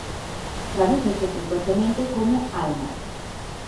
Tradúcese frecuentemente como "alma".